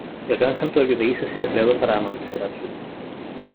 El gran santuario de Ise se ha creado para Amaterasu.